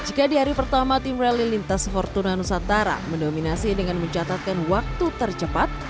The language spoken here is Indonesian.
jika di hari pertama tim rally lintas fortuna nusantara mendominasi dengan mencatatkan waktu tercepat